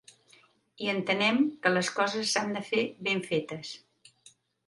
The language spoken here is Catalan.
I entenem que les coses s’han de fer ben fetes.